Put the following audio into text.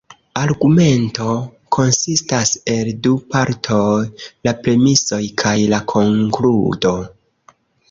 Argumento konsistas el du partoj: la premisoj kaj la konkludo.